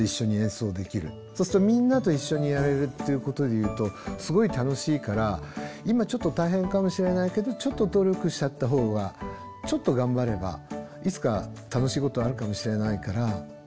そうするとみんなと一緒にやれるっていうことでいうとすごい楽しいから今ちょっと大変かもしれないけどちょっと努力しちゃったほうがちょっと頑張ればいつか楽しいことあるかもしれないから。